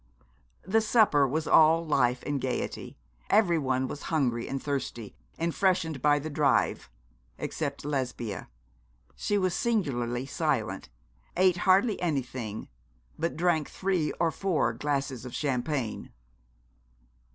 The supper was all life and gaiety. Everyone was hungry and thirsty, and freshened by the drive, except Lesbia. She was singularly silent, ate hardly anything, but drank three or four glasses of champagne.